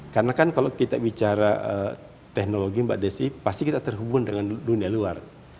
karena kan kalau kita bicara teknologi mbak desy pasti kita terhubung dengan dunia luar